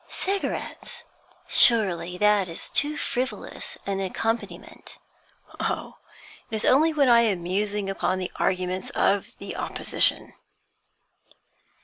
'Cigarettes? Surely that is too frivolous an accompaniment!' 'O, it is only when I am musing upon the arguments of the Opposition.'